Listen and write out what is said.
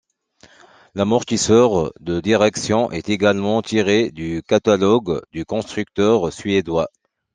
L'amortisseur de direction est également tiré du catalogue du constructeur suédois.